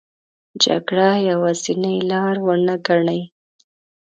جګړه یوازینې لار ونه ګڼي.